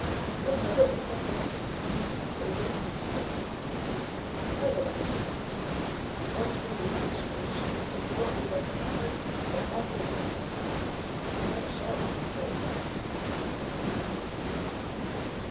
I'll never forget them. They made me sick; they paralyzed me. It wasn't an Indian's face. It belonged to that white man, that awful white man! I never saw him before; but I knew him."